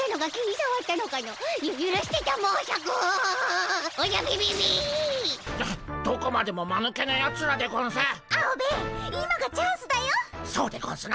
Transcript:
そうでゴンスな。